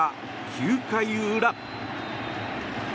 ９回裏。